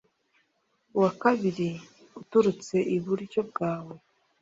uwa kabiri uturutse iburyo bwawe